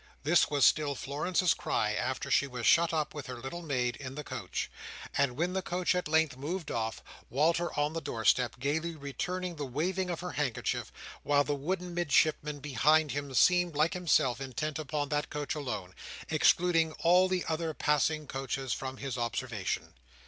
This was still Florence's cry, after she was shut up with her little maid, in the coach. And when the coach at length moved off, Walter on the door step gaily returned the waving of her handkerchief, while the wooden Midshipman behind him seemed, like himself, intent upon that coach alone, excluding all the other passing coaches from his observation.